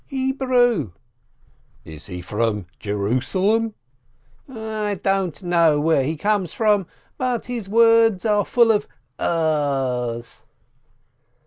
"Hebrew." "Is he from Jerusalem?" "I don't know where he comes from, but his words are full of a's."